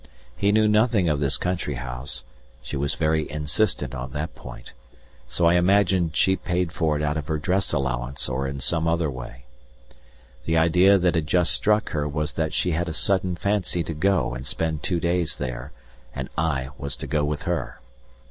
He knew nothing of this country house (she was very insistent on that point), so I imagined she paid for it out of her dress allowance or in some other way. The idea that had just struck her was that she had a sudden fancy to go and spend two days there, and I was to go with her.